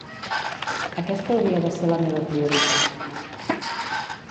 Aquesta hauria de ser la meva prioritat.